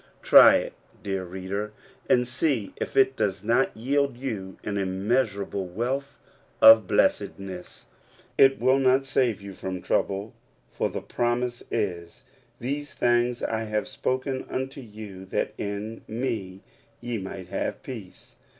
Try dear reader, and see if it does not yield you ^ immeasurable wealth of blessedness ! It will n^ save you from trouble, for the promise is, "The things I have spoken unto you tlfat in me ye mig have peace.